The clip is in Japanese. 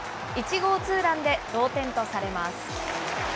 １号ツーランで同点とされます。